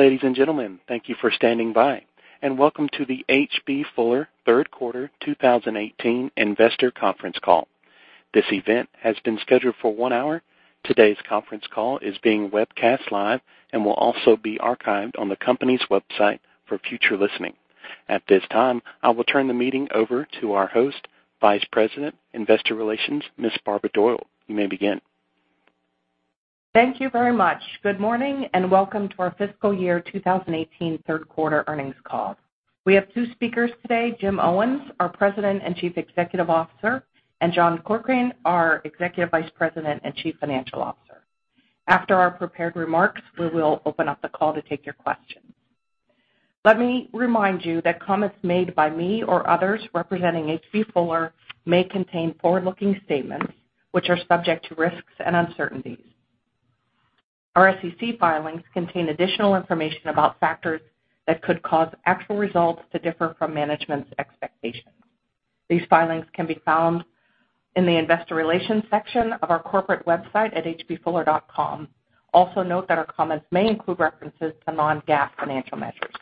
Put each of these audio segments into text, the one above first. Ladies and gentlemen, thank you for standing by, and welcome to the H.B. Fuller Third Quarter 2018 Investor Conference Call. This event has been scheduled for one hour. Today's conference call is being webcast live and will also be archived on the company's website for future listening. At this time, I will turn the meeting over to our host, Vice President, Investor Relations, Ms. Barbara Doyle. You may begin. Thank you very much. Good morning and welcome to our Fiscal Year 2018 Third Quarter Earnings Call. We have two speakers today, Jim Owens, our President and Chief Executive Officer, and John Corkrean, our Executive Vice President and Chief Financial Officer. After our prepared remarks, we will open up the call to take your questions. Let me remind you that comments made by me or others representing H.B. Fuller may contain forward-looking statements which are subject to risks and uncertainties. Our SEC filings contain additional information about factors that could cause actual results to differ from management's expectations. These filings can be found in the investor relations section of our corporate website at hbfuller.com. Also, note that our comments may include references to non-GAAP financial measures.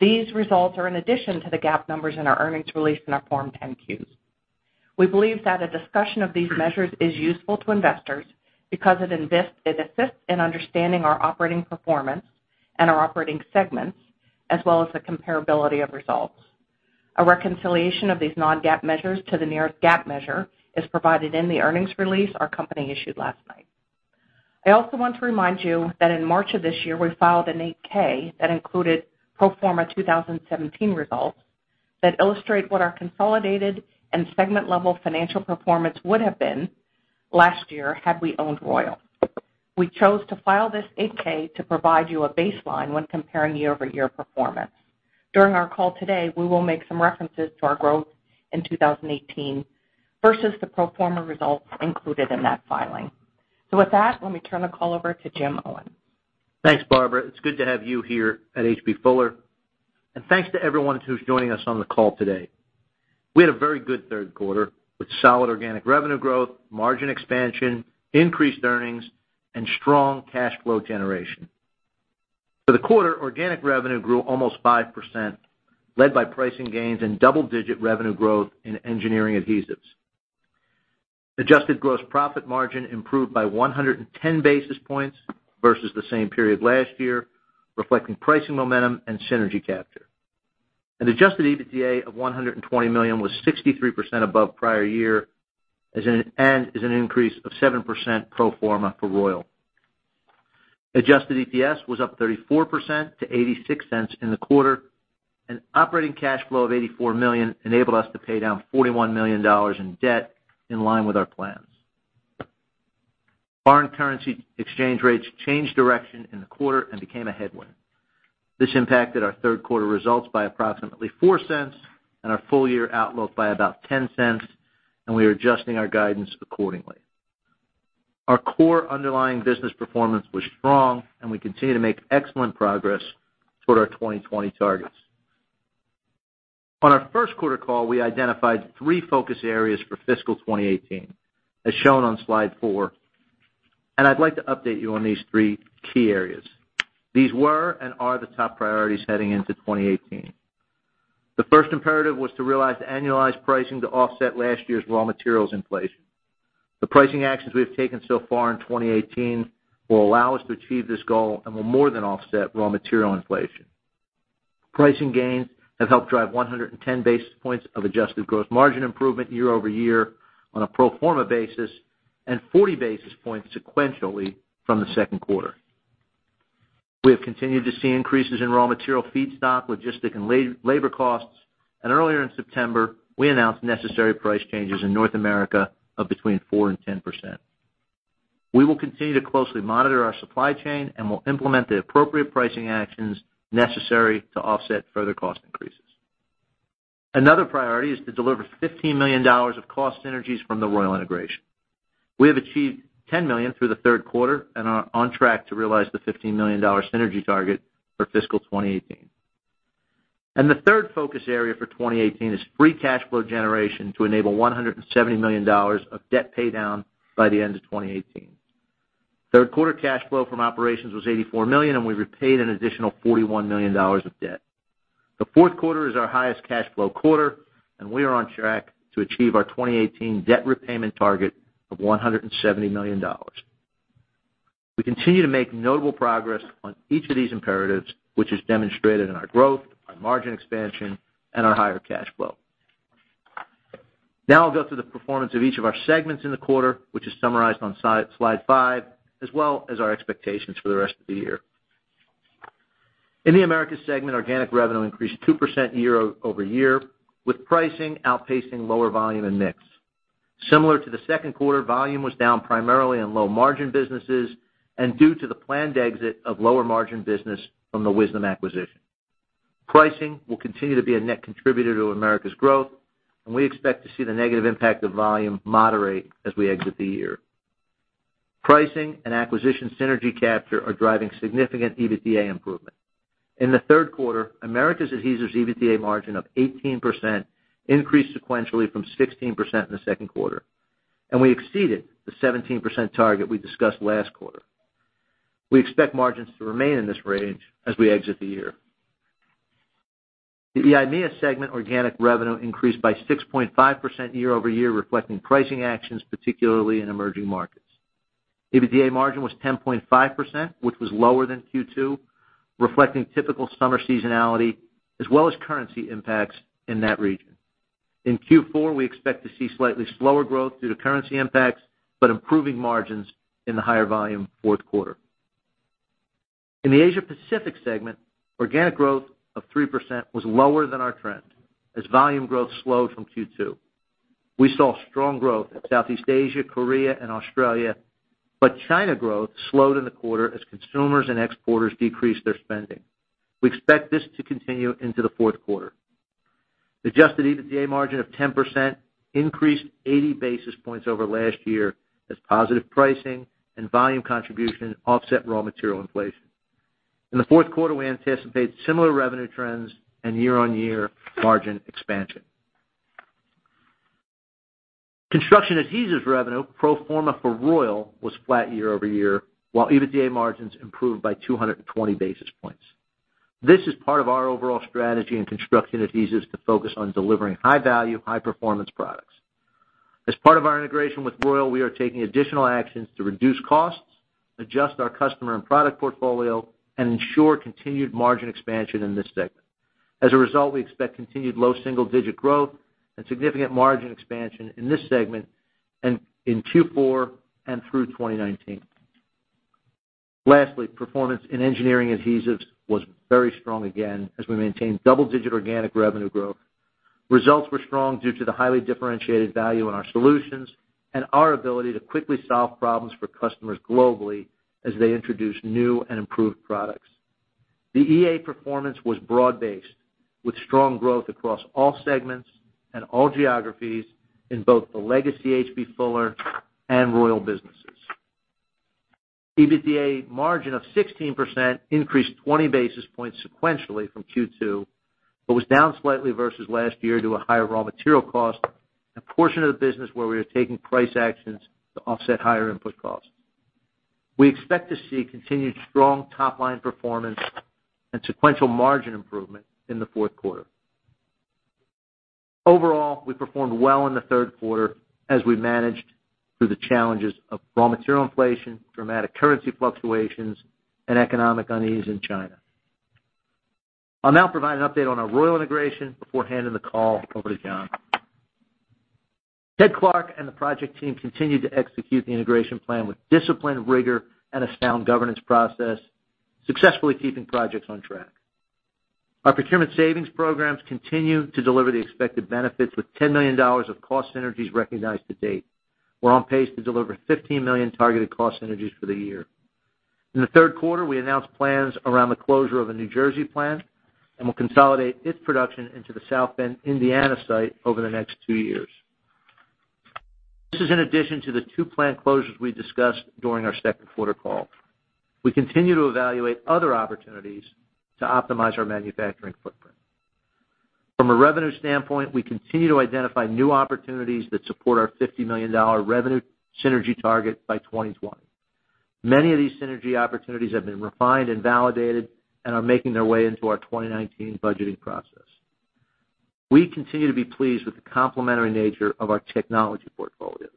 These results are in addition to the GAAP numbers in our earnings release in our Form 10-Qs. We believe that a discussion of these measures is useful to investors because it assists in understanding our operating performance and our operating segments, as well as the comparability of results. A reconciliation of these non-GAAP measures to the nearest GAAP measure is provided in the earnings release our company issued last night. I also want to remind you that in March of this year, we filed an 8-K that included pro forma 2017 results that illustrate what our consolidated and segment-level financial performance would have been last year had we owned Royal. We chose to file this 8-K to provide you a baseline when comparing year-over-year performance. During our call today, we will make some references to our growth in 2018 versus the pro forma results included in that filing. With that, let me turn the call over to Jim Owens. Thanks, Barbara. It's good to have you here at H.B. Fuller. Thanks to everyone who's joining us on the call today. We had a very good third quarter with solid organic revenue growth, margin expansion, increased earnings, and strong cash flow generation. For the quarter, organic revenue grew almost 5%, led by pricing gains and double-digit revenue growth in Engineering Adhesives. Adjusted gross profit margin improved by 110 basis points versus the same period last year, reflecting pricing momentum and synergy capture. An adjusted EBITDA of $120 million was 63% above prior year, and is an increase of 7% pro forma for Royal. Adjusted EPS was up 34% to $0.86 in the quarter, and operating cash flow of $84 million enabled us to pay down $41 million in debt in line with our plans. Foreign currency exchange rates changed direction in the quarter and became a headwind. This impacted our third quarter results by approximately $0.04 and our full-year outlook by about $0.10. We are adjusting our guidance accordingly. Our core underlying business performance was strong, and we continue to make excellent progress toward our 2020 targets. On our first quarter call, we identified three focus areas for fiscal 2018, as shown on slide four, and I'd like to update you on these three key areas. These were and are the top priorities heading into 2018. The first imperative was to realize the annualized pricing to offset last year's raw materials inflation. The pricing actions we have taken so far in 2018 will allow us to achieve this goal and will more than offset raw material inflation. Pricing gains have helped drive 110 basis points of adjusted gross margin improvement year-over-year on a pro forma basis, and 40 basis points sequentially from the second quarter. We have continued to see increases in raw material feedstock, logistic, and labor costs. Earlier in September, we announced necessary price changes in North America of between 4% and 10%. We will continue to closely monitor our supply chain and will implement the appropriate pricing actions necessary to offset further cost increases. Another priority is to deliver $15 million of cost synergies from the Royal integration. We have achieved $10 million through the third quarter and are on track to realize the $15 million synergy target for fiscal 2018. The third focus area for 2018 is free cash flow generation to enable $170 million of debt paydown by the end of 2018. Third quarter cash flow from operations was $84 million, and we repaid an additional $41 million of debt. The fourth quarter is our highest cash flow quarter, and we are on track to achieve our 2018 debt repayment target of $170 million. We continue to make notable progress on each of these imperatives, which is demonstrated in our growth, our margin expansion, and our higher cash flow. Now I'll go through the performance of each of our segments in the quarter, which is summarized on slide five, as well as our expectations for the rest of the year. In the Americas segment, organic revenue increased 2% year-over-year, with pricing outpacing lower volume and mix. Similar to the second quarter, volume was down primarily in low-margin businesses and due to the planned exit of lower-margin business from the Wisdom acquisition. Pricing will continue to be a net contributor to Americas growth, and we expect to see the negative impact of volume moderate as we exit the year. Pricing and acquisition synergy capture are driving significant EBITDA improvement. In the third quarter, Americas Adhesives EBITDA margin of 18% increased sequentially from 16% in the second quarter. We exceeded the 17% target we discussed last quarter. We expect margins to remain in this range as we exit the year. The EIMEA segment organic revenue increased by 6.5% year-over-year, reflecting pricing actions, particularly in emerging markets. EBITDA margin was 10.5%, which was lower than Q2, reflecting typical summer seasonality as well as currency impacts in that region. In Q4, we expect to see slightly slower growth due to currency impacts, but improving margins in the higher volume fourth quarter. In the Asia Pacific segment, organic growth of 3% was lower than our trend as volume growth slowed from Q2. We saw strong growth in Southeast Asia, Korea, and Australia, but China growth slowed in the quarter as consumers and exporters decreased their spending. We expect this to continue into the fourth quarter. Adjusted EBITDA margin of 10% increased 80 basis points over last year as positive pricing and volume contribution offset raw material inflation. In the fourth quarter, we anticipate similar revenue trends and year-on-year margin expansion. Construction Adhesives revenue pro forma for Royal was flat year-over-year, while EBITDA margins improved by 220 basis points. This is part of our overall strategy in Construction Adhesives to focus on delivering high value, high performance products. As part of our integration with Royal, we are taking additional actions to reduce costs, adjust our customer and product portfolio, and ensure continued margin expansion in this segment. As a result, we expect continued low single digit growth and significant margin expansion in this segment and in Q4 and through 2019. Lastly, performance in Engineering Adhesives was very strong again as we maintained double-digit organic revenue growth. Results were strong due to the highly differentiated value in our solutions and our ability to quickly solve problems for customers globally as they introduce new and improved products. The EA performance was broad-based with strong growth across all segments and all geographies in both the legacy H.B. Fuller and Royal businesses. EBITDA margin of 16% increased 20 basis points sequentially from Q2, but was down slightly versus last year due to higher raw material costs and a portion of the business where we are taking price actions to offset higher input costs. We expect to see continued strong top-line performance and sequential margin improvement in the fourth quarter. Overall, we performed well in the third quarter as we managed through the challenges of raw material inflation, dramatic currency fluctuations, and economic unease in China. I'll now provide an update on our Royal integration before handing the call over to John. Ted Clark and the project team continued to execute the integration plan with discipline, rigor, and a sound governance process, successfully keeping projects on track. Our procurement savings programs continue to deliver the expected benefits with $10 million of cost synergies recognized to date. We're on pace to deliver $15 million targeted cost synergies for the year. In the third quarter, we announced plans around the closure of the New Jersey plant, and we'll consolidate its production into the South Bend, Indiana, site over the next two years. This is in addition to the two plant closures we discussed during our second quarter call. We continue to evaluate other opportunities to optimize our manufacturing footprint. From a revenue standpoint, we continue to identify new opportunities that support our $50 million revenue synergy target by 2021. Many of these synergy opportunities have been refined and validated and are making their way into our 2019 budgeting process. We continue to be pleased with the complementary nature of our technology portfolios.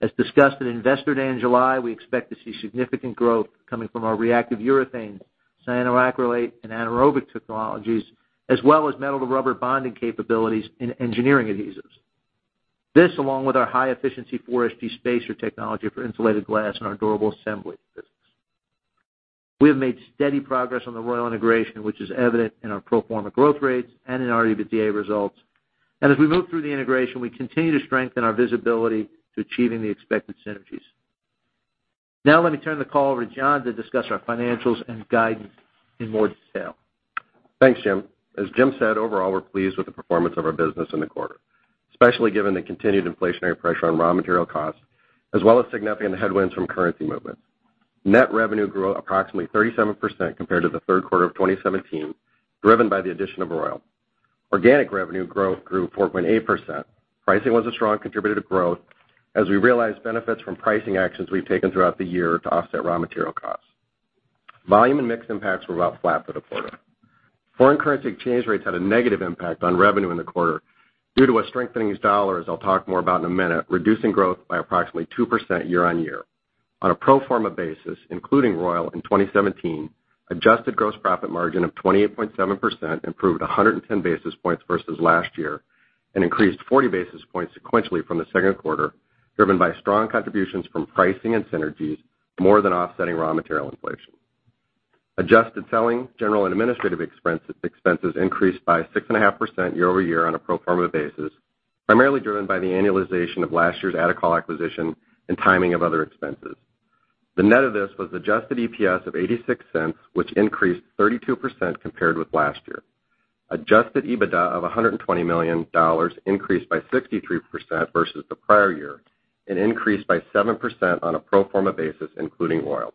As discussed at Investor Day in July, we expect to see significant growth coming from our reactive urethane, cyanoacrylate, and anaerobic technologies, as well as metal to rubber bonding capabilities in Engineering Adhesives. This, along with our high efficiency 4SP spacer technology for insulated glass in our durable assemblies business. We have made steady progress on the Royal integration, which is evident in our pro forma growth rates and in our EBITDA results. As we move through the integration, we continue to strengthen our visibility to achieving the expected synergies. Let me turn the call over to John to discuss our financials and guidance in more detail. Thanks, Jim. As Jim said, overall, we're pleased with the performance of our business in the quarter, especially given the continued inflationary pressure on raw material costs, as well as significant headwinds from currency movements. Net revenue grew approximately 37% compared to the third quarter of 2017, driven by the addition of Royal. Organic revenue growth grew 4.8%. Pricing was a strong contributor to growth as we realized benefits from pricing actions we've taken throughout the year to offset raw material costs. Volume and mix impacts were about flat for the quarter. Foreign currency exchange rates had a negative impact on revenue in the quarter due to a strengthening dollar, as I'll talk more about in a minute, reducing growth by approximately 2% year-on-year. On a pro forma basis, including Royal in 2017, adjusted gross profit margin of 28.7% improved 110 basis points versus last year and increased 40 basis points sequentially from the second quarter, driven by strong contributions from pricing and synergies more than offsetting raw material inflation. Adjusted selling, general, and administrative expenses increased by 6.5% year-over-year on a pro forma basis, primarily driven by the annualization of last year's Adecol acquisition and timing of other expenses. The net of this was adjusted EPS of $0.86, which increased 32% compared with last year. Adjusted EBITDA of $120 million increased by 63% versus the prior year and increased by 7% on a pro forma basis, including Royal.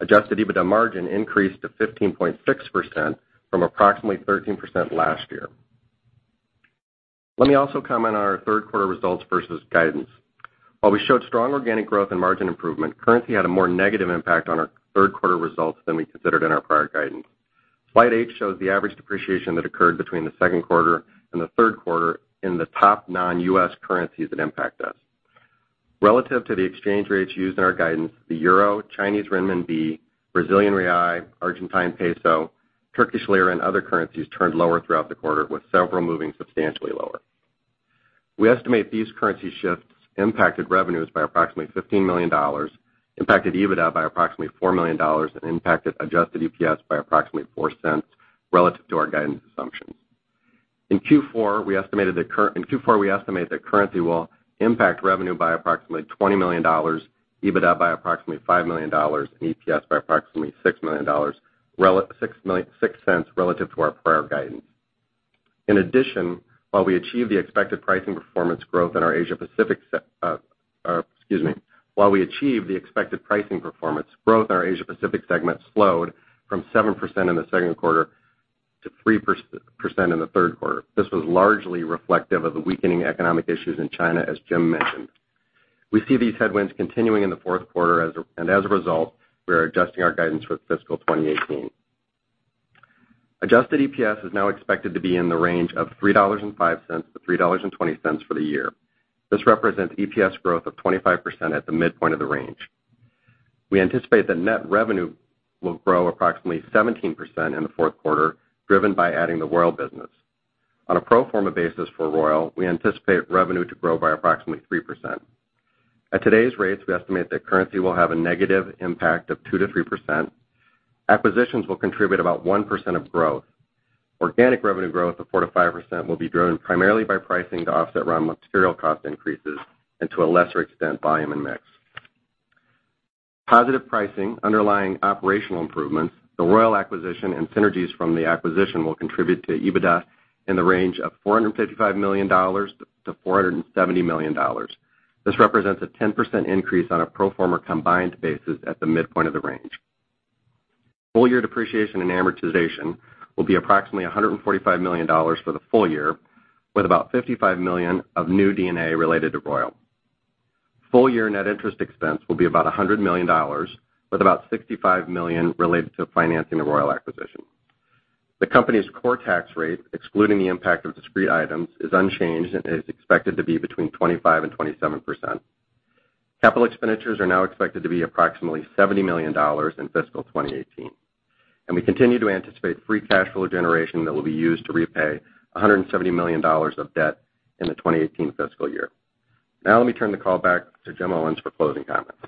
Adjusted EBITDA margin increased to 15.6% from approximately 13% last year. Let me also comment on our third quarter results versus guidance. While we showed strong organic growth and margin improvement, currency had a more negative impact on our third quarter results than we considered in our prior guidance. Slide H shows the average depreciation that occurred between the second quarter and the third quarter in the top non-U.S. currencies that impact us. Relative to the exchange rates used in our guidance, the euro, Chinese renminbi, Brazilian real, Argentine peso, Turkish lira, and other currencies turned lower throughout the quarter, with several moving substantially lower. We estimate these currency shifts impacted revenues by approximately $15 million, impacted EBITDA by approximately $4 million, and impacted adjusted EPS by approximately $0.04 relative to our guidance assumptions. In Q4, we estimate that currency will impact revenue by approximately $20 million, EBITDA by approximately $5 million, and EPS by approximately $0.06 relative to our prior guidance. While we achieved the expected pricing performance, growth in our Asia Pacific segment slowed from 7% in the second quarter to 3% in the third quarter. This was largely reflective of the weakening economic issues in China, as Jim mentioned. We see these headwinds continuing in the fourth quarter and as a result, we are adjusting our guidance for fiscal 2018. Adjusted EPS is now expected to be in the range of $3.05-$3.20 for the year. This represents EPS growth of 25% at the midpoint of the range. We anticipate that net revenue will grow approximately 17% in the fourth quarter, driven by adding the Royal business. On a pro forma basis for Royal, we anticipate revenue to grow by approximately 3%. At today's rates, we estimate that currency will have a negative impact of 2%-3%. Acquisitions will contribute about 1% of growth. Organic revenue growth of 4%-5% will be driven primarily by pricing to offset raw material cost increases, and to a lesser extent, volume and mix. Positive pricing underlying operational improvements, the Royal acquisition, and synergies from the acquisition will contribute to EBITDA in the range of $455 million-$470 million. This represents a 10% increase on a pro forma combined basis at the midpoint of the range. Full year depreciation and amortization will be approximately $145 million for the full year, with about $55 million of new D&A related to Royal. Full year net interest expense will be about $100 million, with about $65 million related to financing the Royal acquisition. The company's core tax rate, excluding the impact of discrete items, is unchanged and is expected to be between 25% and 27%. Capital expenditures are now expected to be approximately $70 million in fiscal 2018. We continue to anticipate free cash flow generation that will be used to repay $170 million of debt in the 2018 fiscal year. Let me turn the call back to Jim Owens for closing comments.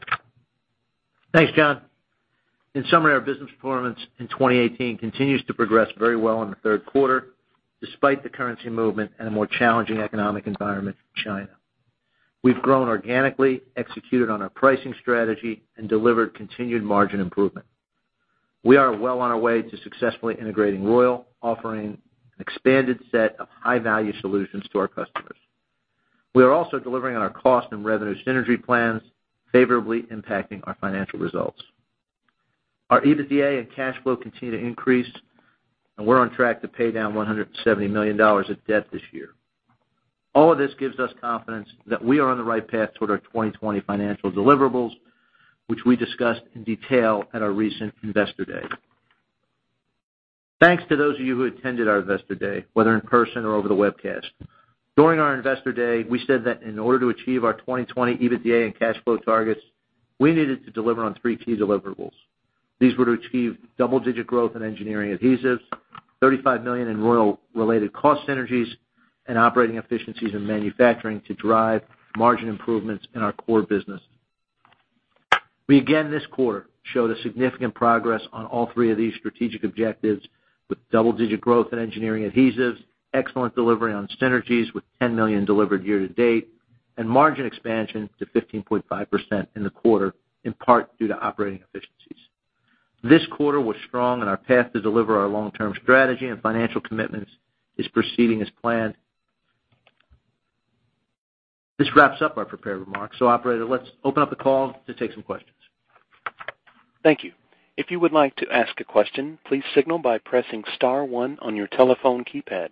Thanks, John. In summary, our business performance in 2018 continues to progress very well in the third quarter, despite the currency movement and a more challenging economic environment in China. We've grown organically, executed on our pricing strategy, and delivered continued margin improvement. We are well on our way to successfully integrating Royal, offering an expanded set of high-value solutions to our customers. We are also delivering on our cost and revenue synergy plans, favorably impacting our financial results. Our EBITDA and cash flow continue to increase, and we're on track to pay down $170 million of debt this year. All of this gives us confidence that we are on the right path toward our 2020 financial deliverables, which we discussed in detail at our recent Investor Day. Thanks to those of you who attended our Investor Day, whether in person or over the webcast. During our Investor Day, we said that in order to achieve our 2020 EBITDA and cash flow targets, we needed to deliver on three key deliverables. These were to achieve double-digit growth in Engineering Adhesives, $35 million in Royal-related cost synergies, and operating efficiencies in manufacturing to drive margin improvements in our core business. We again this quarter showed significant progress on all three of these strategic objectives with double-digit growth in Engineering Adhesives, excellent delivery on synergies with $10 million delivered year to date, and margin expansion to 15.5% in the quarter, in part due to operating efficiencies. This quarter was strong, and our path to deliver our long-term strategy and financial commitments is proceeding as planned. This wraps up our prepared remarks. Operator, let's open up the call to take some questions. Thank you. If you would like to ask a question, please signal by pressing *1 on your telephone keypad.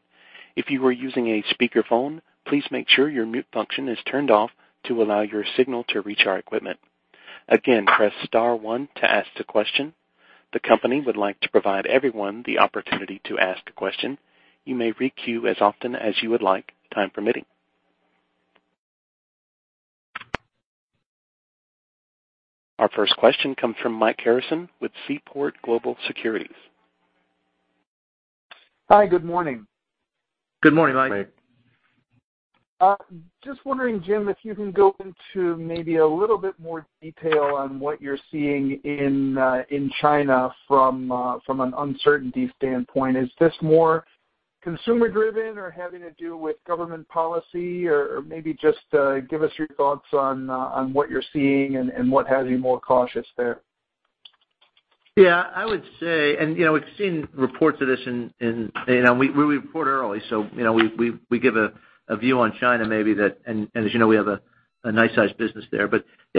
If you are using a speakerphone, please make sure your mute function is turned off to allow your signal to reach our equipment. Again, press *1 to ask a question. The company would like to provide everyone the opportunity to ask a question. You may re-queue as often as you would like, time permitting. Our first question comes from Mike Harrison with Seaport Global Securities. Hi, good morning. Good morning, Mike. Mike. Just wondering, Jim, if you can go into maybe a little bit more detail on what you're seeing in China from an uncertainty standpoint. Is this more consumer driven or having to do with government policy? Or maybe just give us your thoughts on what you're seeing and what has you more cautious there. Yeah, I would say, we've seen reports of this. We report early, so we give a view on China maybe that, as you know, we have a nice sized business there.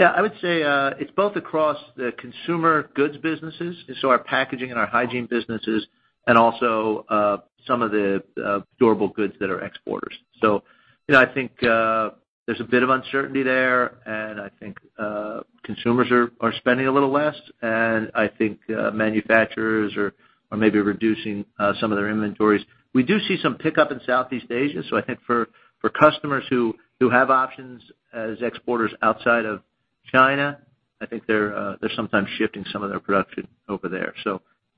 I would say it's both across the consumer goods businesses, our packaging and our hygiene businesses, and also some of the durable goods that are exporters. I think there's a bit of uncertainty there, I think consumers are spending a little less, I think manufacturers are maybe reducing some of their inventories. We do see some pickup in Southeast Asia, I think for customers who have options as exporters outside of China, I think they're sometimes shifting some of their production over there.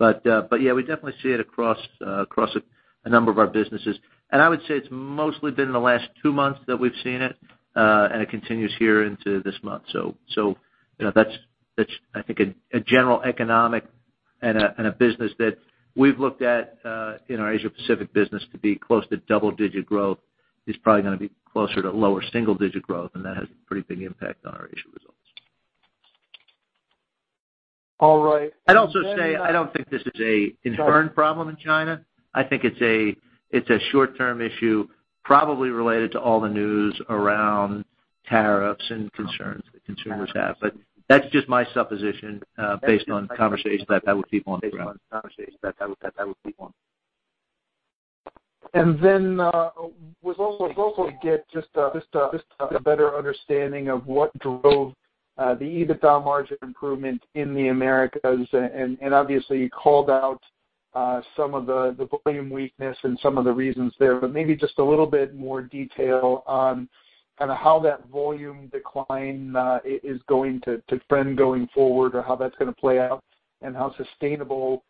Yeah, we definitely see it across a number of our businesses. I would say it's mostly been in the last two months that we've seen it, and it continues here into this month. That's, I think, a general economic and a business that we've looked at in our Asia-Pacific business to be close to double-digit growth is probably going to be closer to lower single-digit growth, and that has a pretty big impact on our Asia results. All right. Then. I'd also say, I don't think this is an inherent problem in China. I think it's a short-term issue, probably related to all the news around tariffs and concerns that consumers have. That's just my supposition based on conversations that I've had with people on the ground. Then, I was also hoping to get just a better understanding of what drove the EBITDA margin improvement in the Americas. Obviously, you called out some of the volume weakness and some of the reasons there, but maybe just a little bit more detail on kind of how that volume decline is going to trend going forward, or how that's going to play out, and how sustainable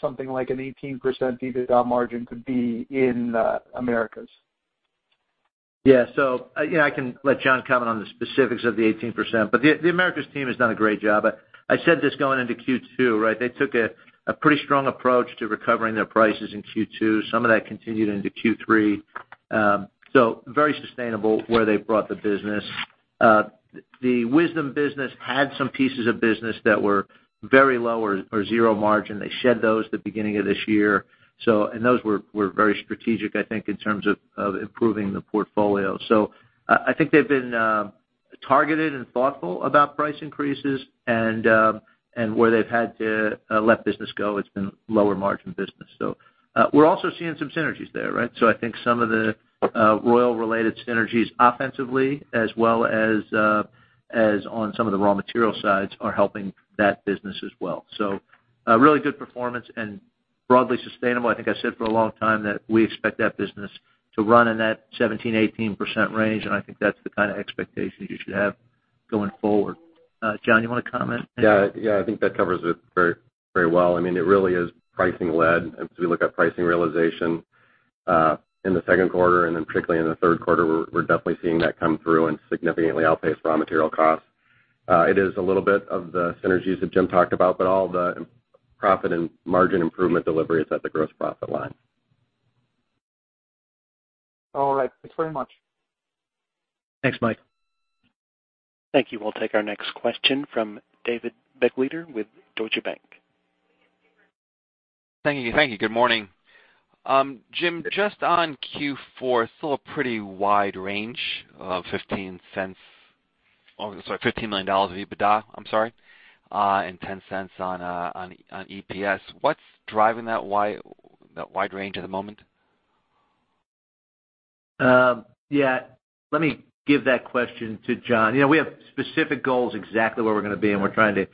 something like an 18% EBITDA margin could be in the Americas. Yeah. I can let John comment on the specifics of the 18%, the Americas team has done a great job. I said this going into Q2, right? They took a pretty strong approach to recovering their prices in Q2. Some of that continued into Q3. Very sustainable where they've brought the business. The Wisdom business had some pieces of business that were very low or zero margin. They shed those at the beginning of this year. Those were very strategic, I think, in terms of improving the portfolio. I think they've been targeted and thoughtful about price increases and where they've had to let business go, it's been lower margin business. We're also seeing some synergies there, right? I think some of the oil-related synergies offensively, as well as on some of the raw material sides, are helping that business as well. A really good performance and broadly sustainable. I think I said for a long time that we expect that business to run in that 17, 18% range, I think that's the kind of expectation you should have going forward. John, you want to comment? Yeah, I think that covers it very well. I mean, it really is pricing led as we look at pricing realization, in the second quarter and then particularly in the third quarter, we're definitely seeing that come through and significantly outpace raw material costs. It is a little bit of the synergies that Jim talked about, but all the profit and margin improvement delivery is at the gross profit line. All right. Thanks very much. Thanks, Mike. Thank you. We'll take our next question from David Begleiter with Deutsche Bank. Thank you. Good morning. Jim, just on Q4, still a pretty wide range of $15 million of EBITDA and $0.10 on EPS. What's driving that wide range at the moment? Let me give that question to John. We have specific goals exactly where we're going to be, and we're trying to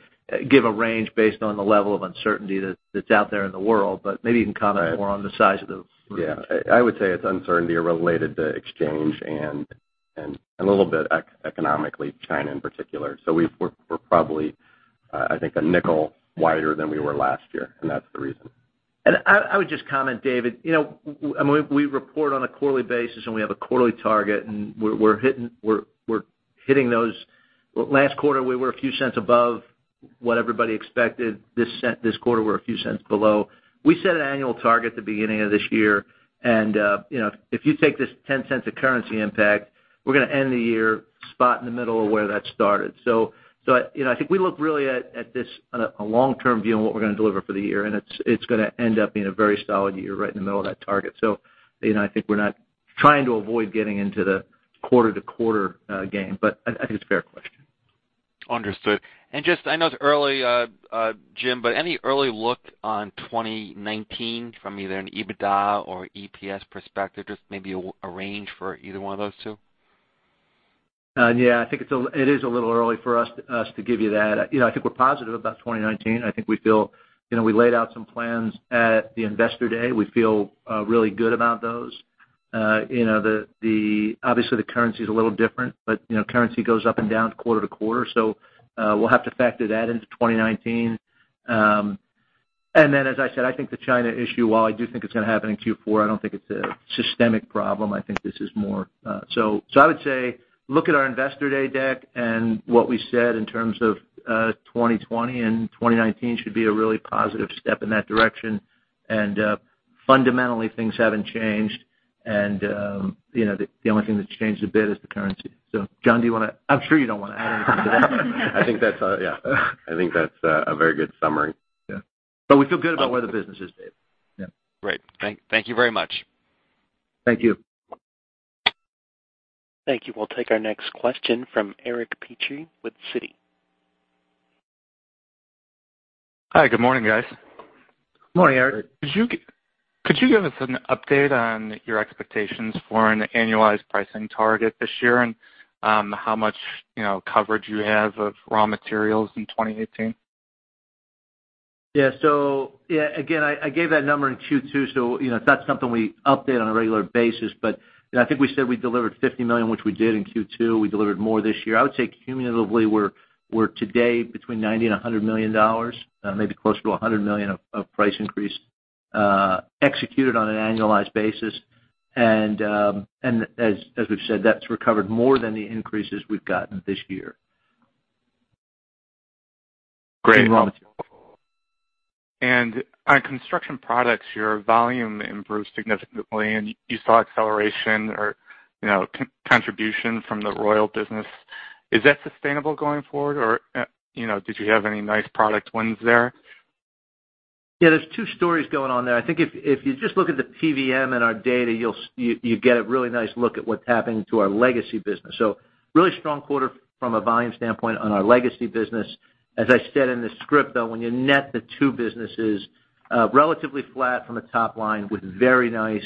give a range based on the level of uncertainty that's out there in the world, but maybe you can comment more on the size of the range. I would say it's uncertainty related to exchange and a little bit economically, China in particular. We're probably, I think, $0.05 wider than we were last year, and that's the reason. I would just comment, David, we report on a quarterly basis, and we have a quarterly target, and we're hitting those. Last quarter, we were a few cents above what everybody expected. This quarter, we're a few cents below. We set an annual target at the beginning of this year, and if you take this $0.10 of currency impact, we're going to end the year spot in the middle of where that started. I think we look really at this on a long-term view on what we're going to deliver for the year, and it's going to end up being a very solid year right in the middle of that target. I think we're not trying to avoid getting into the quarter-to-quarter game, but I think it's a fair question. Understood. Just, I know it's early, Jim, but any early look on 2019 from either an EBITDA or EPS perspective? Just maybe a range for either one of those two? Yeah, I think it is a little early for us to give you that. I think we're positive about 2019. I think we feel we laid out some plans at the Investor Day. We feel really good about those. Obviously, the currency's a little different, but currency goes up and down quarter-to-quarter, so we'll have to factor that into 2019. Then, as I said, I think the China issue, while I do think it's going to happen in Q4, I don't think it's a systemic problem. I would say, look at our Investor Day deck and what we said in terms of 2020, 2019 should be a really positive step in that direction. Fundamentally, things haven't changed. The only thing that's changed a bit is the currency. John, do you want to I'm sure you don't want to add anything to that. I think that's, yeah. I think that's a very good summary. Yeah. We feel good about where the business is, David. Yeah. Great. Thank you very much. Thank you. Thank you. We'll take our next question from Eric Petrie with Citi. Hi, good morning, guys. Morning, Eric. Could you give us an update on your expectations for an annualized pricing target this year and how much coverage you have of raw materials in 2018? Yeah. Again, I gave that number in Q2, so it's not something we update on a regular basis. I think we said we delivered $50 million, which we did in Q2. We delivered more this year. I would say cumulatively, we're today between $90 million and $100 million, maybe closer to $100 million of price increase, executed on an annualized basis. As we've said, that's recovered more than the increases we've gotten this year. Great. In raw materials. On construction products, your volume improved significantly, and you saw acceleration or contribution from the Royal business. Is that sustainable going forward, or did you have any nice product wins there? There's two stories going on there. I think if you just look at the PVM and our data, you get a really nice look at what's happening to our legacy business. Really strong quarter from a volume standpoint on our legacy business. As I said in the script, though, when you net the two businesses, relatively flat from a top line with very nice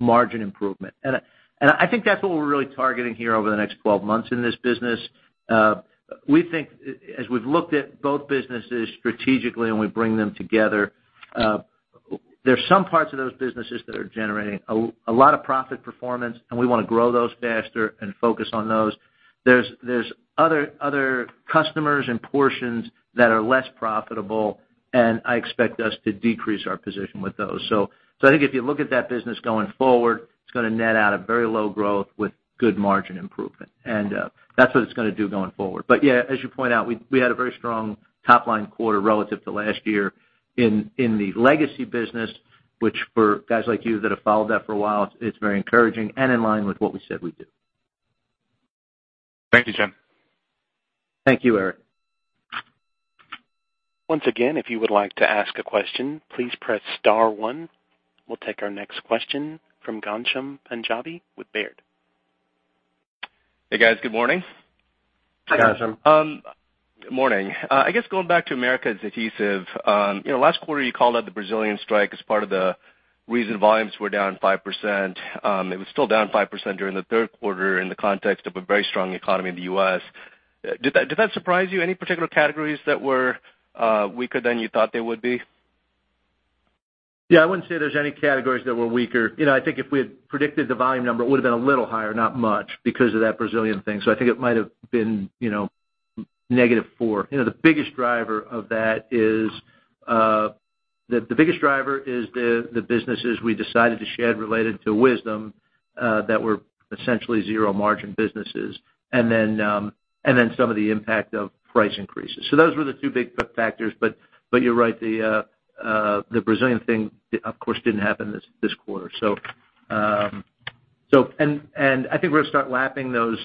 margin improvement. I think that's what we're really targeting here over the next 12 months in this business. We think, as we've looked at both businesses strategically and we bring them together, there's some parts of those businesses that are generating a lot of profit performance, and we want to grow those faster and focus on those. There's other customers and portions that are less profitable, and I expect us to decrease our position with those. I think if you look at that business going forward, it's going to net out a very low growth with good margin improvement. That's what it's going to do going forward. As you point out, we had a very strong top-line quarter relative to last year in the legacy business, which for guys like you that have followed that for a while, it's very encouraging and in line with what we said we'd do. Thank you, Jim. Thank you, Eric. Once again, if you would like to ask a question, please press star one. We'll take our next question from Ghansham Panjabi with Baird. Hey, guys. Good morning. Hi, Ghansham. Morning. I guess going back to Americas Adhesive. Last quarter, you called out the Brazilian strike as part of the reason volumes were down 5%. It was still down 5% during the third quarter in the context of a very strong economy in the U.S. Did that surprise you? Any particular categories that were weaker than you thought they would be? Yeah, I wouldn't say there's any categories that were weaker. I think if we had predicted the volume number, it would've been a little higher, not much, because of that Brazilian thing. I think it might have been negative four. The biggest driver is the businesses we decided to shed related to Wisdom, that were essentially zero-margin businesses, and then some of the impact of price increases. Those were the two big factors, you're right, the Brazilian thing, of course, didn't happen this quarter. I think we're going to start lapping those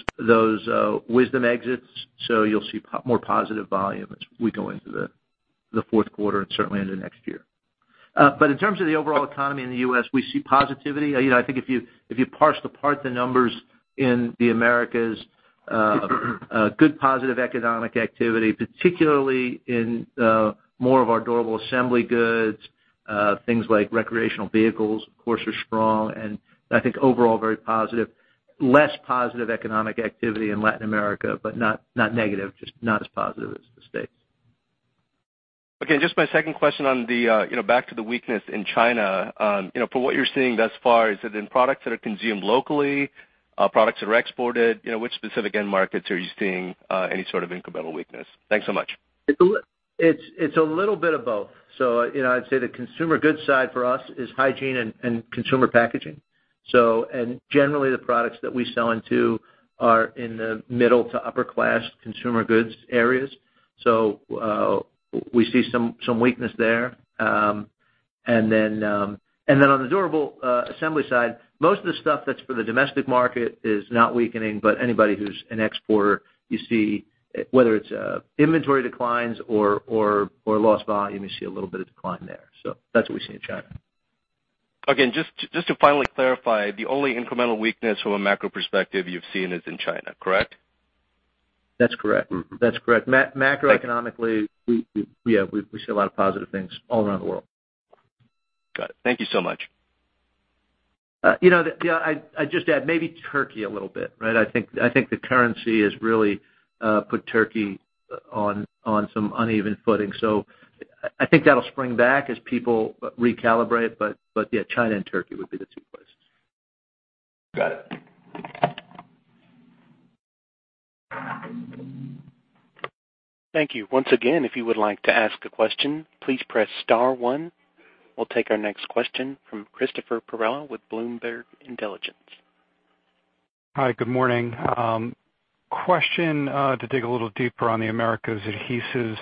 Wisdom exits, so you'll see more positive volume as we go into the fourth quarter and certainly into next year. In terms of the overall economy in the U.S., we see positivity. I think if you parse apart the numbers in the Americas, good positive economic activity, particularly in more of our durable assembly goods. Things like recreational vehicles, of course, are strong, and I think overall very positive. Less positive economic activity in Latin America, but not negative, just not as positive as the U.S. Okay, just my second question on the back to the weakness in China. From what you're seeing thus far, is it in products that are consumed locally, products that are exported? Which specific end markets are you seeing any sort of incremental weakness? Thanks so much. It's a little bit of both. I'd say the consumer goods side for us is hygiene and consumer packaging. Generally, the products that we sell into are in the middle to upper-class consumer goods areas. We see some weakness there. Then on the durable assembly side, most of the stuff that's for the domestic market is not weakening, but anybody who's an exporter, you see, whether it's inventory declines or lost volume, you see a little bit of decline there. That's what we see in China. Again, just to finally clarify, the only incremental weakness from a macro perspective you've seen is in China, correct? That's correct. Macroeconomically, we see a lot of positive things all around the world. Got it. Thank you so much. I'd just add maybe Turkey a little bit. I think the currency has really put Turkey on some uneven footing. I think that'll spring back as people recalibrate. Yeah, China and Turkey would be the two places. Got it. Thank you. Once again, if you would like to ask a question, please press star one. We'll take our next question from Christopher Perrella with Bloomberg Intelligence. Hi, good morning. Question to dig a little deeper on the Americas Adhesives.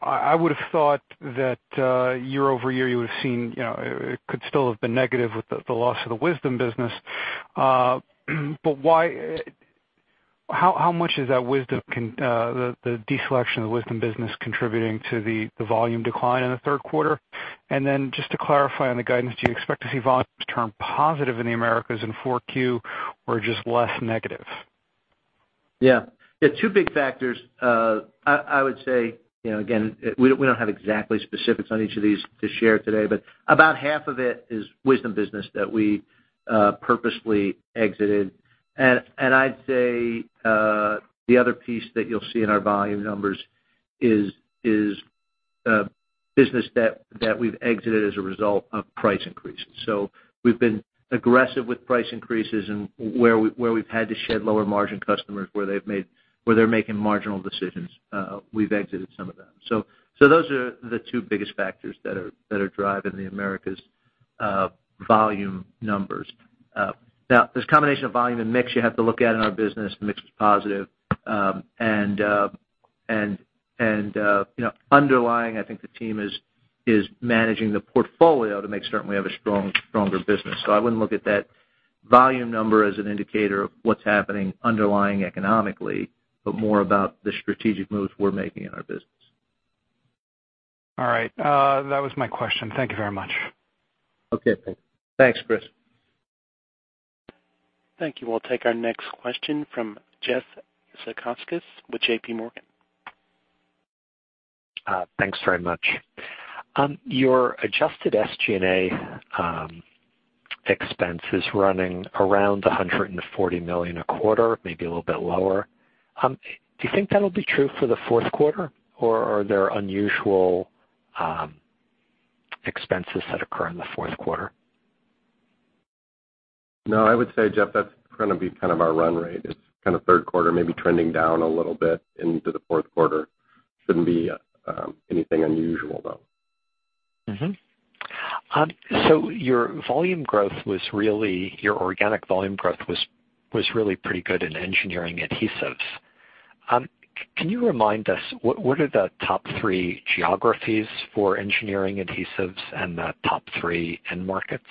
I would've thought that year-over-year, you would've seen it could still have been negative with the loss of the Wisdom business. Why How much is the de-selection of the Wisdom business contributing to the volume decline in Q3? Just to clarify on the guidance, do you expect to see volumes turn positive in the Americas in 4Q or just less negative? Yeah. Two big factors. I would say, again, we don't have exactly specifics on each of these to share today, but about half of it is Wisdom business that we purposely exited. I'd say the other piece that you'll see in our volume numbers is business that we've exited as a result of price increases. We've been aggressive with price increases and where we've had to shed lower margin customers where they're making marginal decisions, we've exited some of them. Those are the two biggest factors that are driving the Americas volume numbers. Now, there's a combination of volume and mix you have to look at in our business. Mix was positive. Underlying, I think the team is managing the portfolio to make certain we have a stronger business. I wouldn't look at that volume number as an indicator of what's happening underlying economically, but more about the strategic moves we're making in our business. All right. That was my question. Thank you very much. Okay. Thanks, Chris. Thank you. We'll take our next question from Jeff Zekauskas with J.P. Morgan. Thanks very much. Your adjusted SG&A expense is running around $140 million a quarter, maybe a little bit lower. Do you think that'll be true for the fourth quarter, or are there unusual expenses that occur in the fourth quarter? No, I would say, Jeff, that's going to be kind of our run rate. It's kind of third quarter, maybe trending down a little bit into the fourth quarter. Shouldn't be anything unusual, though. Your organic volume growth was really pretty good in Engineering Adhesives. Can you remind us, what are the top three geographies for Engineering Adhesives and the top three end markets?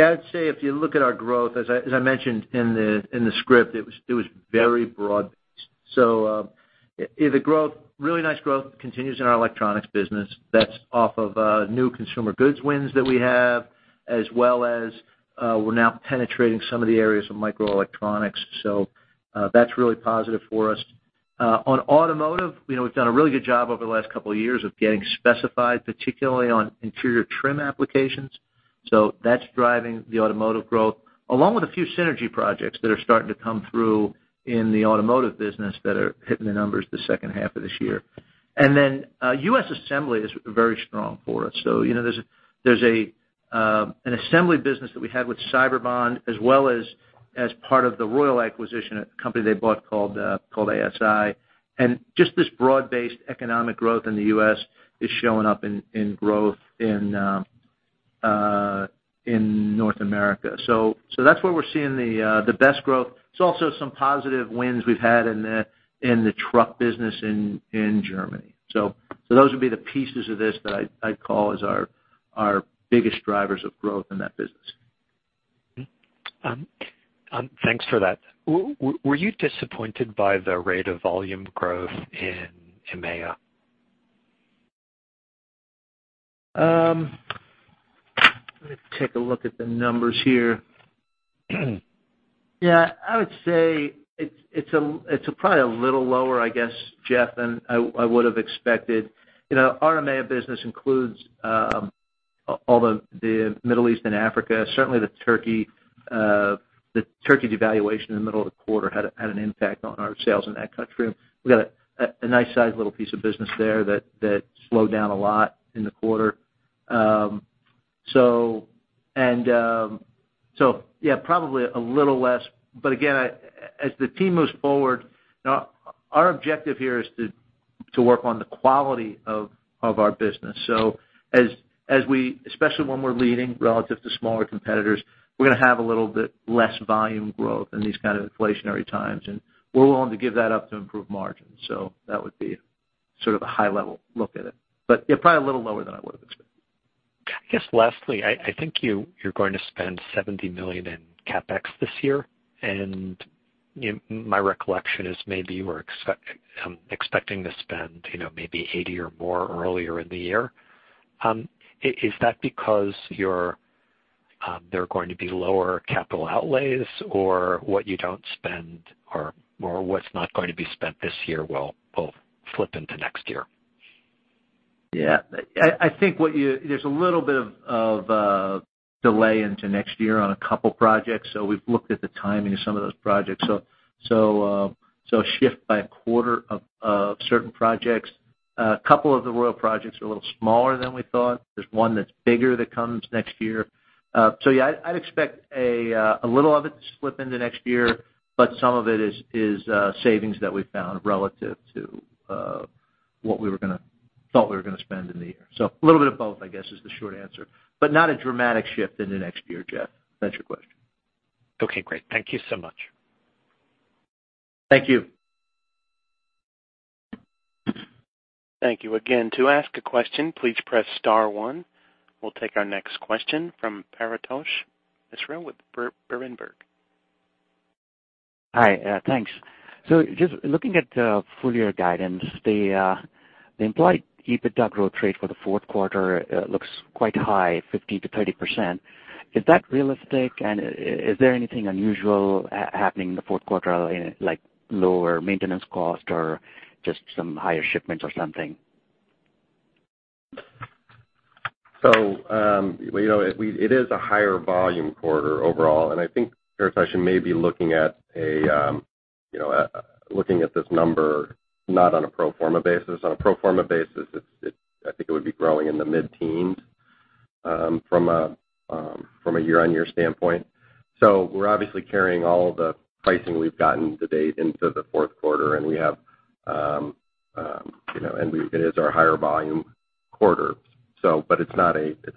I'd say if you look at our growth, as I mentioned in the script, it was very broad-based. Really nice growth continues in our electronics business. That's off of new consumer goods wins that we have, as well as we're now penetrating some of the areas of microelectronics. That's really positive for us. On automotive, we've done a really good job over the last couple of years of getting specified, particularly on interior trim applications. That's driving the automotive growth, along with a few synergy projects that are starting to come through in the automotive business that are hitting the numbers the second half of this year. U.S. assembly is very strong for us. There's an assembly business that we had with Cyberbond, as well as part of the Royal acquisition, a company they bought called ASI. Just this broad-based economic growth in the U.S. is showing up in growth in North America. That's where we're seeing the best growth. There's also some positive wins we've had in the truck business in Germany. Those would be the pieces of this that I'd call as our biggest drivers of growth in that business. Thanks for that. Were you disappointed by the rate of volume growth in EIMEA? Let me take a look at the numbers here. I would say it's probably a little lower, I guess, Jeff, than I would have expected. Our EIMEA business includes all the Middle East and Africa. Certainly, the Turkey devaluation in the middle of the quarter had an impact on our sales in that country. We got a nice size little piece of business there that slowed down a lot in the quarter. Probably a little less. Again, as the team moves forward, our objective here is to work on the quality of our business. Especially when we're leading relative to smaller competitors, we're going to have a little bit less volume growth in these kind of inflationary times, and we're willing to give that up to improve margins. That would be sort of a high-level look at it. Probably a little lower than I would have expected. Lastly, I think you're going to spend $70 million in CapEx this year, and my recollection is maybe you were expecting to spend maybe 80 or more earlier in the year. Is that because there are going to be lower capital outlays or what you don't spend or what's not going to be spent this year will flip into next year? I think there's a little bit of a delay into next year on a couple projects. We've looked at the timing of some of those projects. A shift by a quarter of certain projects. A couple of the Royal projects are a little smaller than we thought. There's one that's bigger that comes next year. I'd expect a little of it to slip into next year, but some of it is savings that we found relative to what we thought we were going to spend in the year. A little bit of both, I guess, is the short answer, but not a dramatic shift into next year, Jeff. If that's your question. Okay, great. Thank you so much. Thank you. Thank you again. To ask a question, please press star one. We'll take our next question from Paratosh Issar with Berenberg. Hi, thanks. Just looking at the full year guidance, the implied EBITDA growth rate for the fourth quarter looks quite high, 15%-30%. Is that realistic? Is there anything unusual happening in the fourth quarter, like lower maintenance cost or just some higher shipments or something? It is a higher volume quarter overall, and I think Paratosh may be looking at this number, not on a pro forma basis. On a pro forma basis, I think it would be growing in the mid-teens from a year-over-year standpoint. We're obviously carrying all the pricing we've gotten to date into the fourth quarter, and it is our higher volume quarter. It's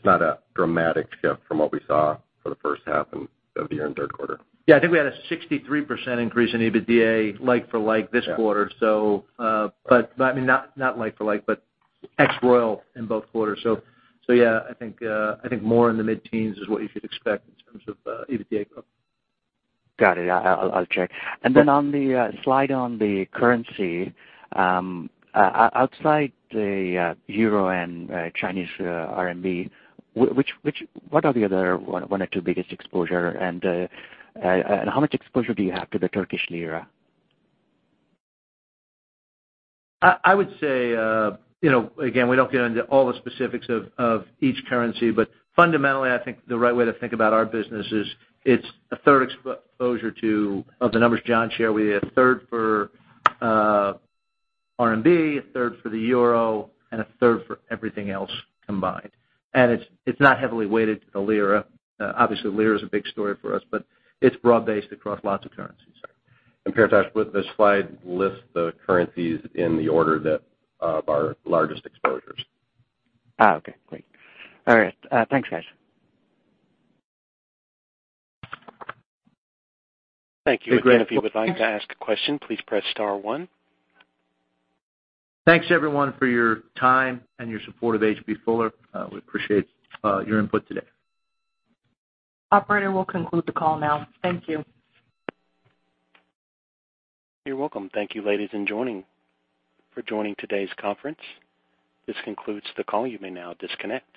not a dramatic shift from what we saw for the first half of the year and third quarter. I think we had a 63% increase in EBITDA, like for like this quarter. Not like for like, but ex Royal in both quarters. I think more in the mid-teens is what you should expect in terms of EBITDA growth. Got it. I'll check. On the slide on the currency outside the EUR and CNY, what are the other one or two biggest exposure, and how much exposure do you have to the TRY? I would say, again, we don't get into all the specifics of each currency, but fundamentally, I think the right way to think about our business is it's a third exposure to, of the numbers John shared with you, a third for CNY, a third for the EUR, and a third for everything else combined. It's not heavily weighted to the TRY. Obviously, the TRY is a big story for us, but it's broad-based across lots of currencies. Paratosh, the slide lists the currencies in the order of our largest exposures. Okay, great. All right. Thanks, guys. Thank you. Again, if you would like to ask a question, please press star one. Thanks everyone for your time and your support of H.B. Fuller. We appreciate your input today. Operator, we'll conclude the call now. Thank you. You're welcome. Thank you, ladies, for joining today's conference. This concludes the call. You may now disconnect.